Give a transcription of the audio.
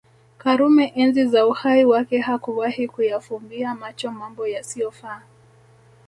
karume enzi za uhai wake hakuwahi kuyafumbia macho Mambo yasiofaa